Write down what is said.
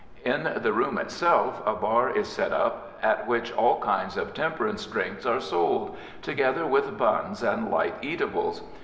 In the room itself a bar is set up at which all kinds of temperance drinks are sold, together with buns and light eatables.